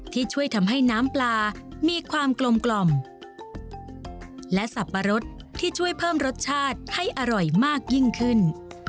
ที่ช่วยทำให้น้ำปลามีความกลมและสับปะรดที่ช่วยเพิ่มรสชาติให้อร่อยมากยิ่งขึ้น